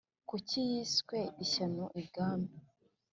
kuki yiswe ishyano ibwami?